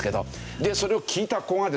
でそれを聞いた子がですね